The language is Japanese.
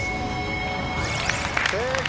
正解！